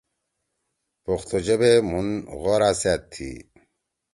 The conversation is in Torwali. پُختو ژبے مُھن غوار سأت تھی۔